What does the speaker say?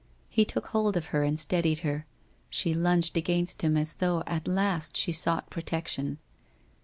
He took hold of her, and steadied her. She lunged against him, as though at last she sought protection.